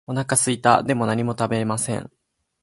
お腹すいた。でも何も食べません。